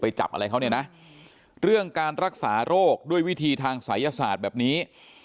จับอะไรเขาเนี่ยนะเรื่องการรักษาโรคด้วยวิธีทางศัยศาสตร์แบบนี้